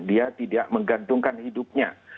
dia tidak menggantungkan hidupnya